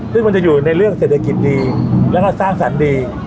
ซึ่งมันจะอยู่ในเรื่องเศรษฐกิจดีแล้วก็สร้างสรรค์ดี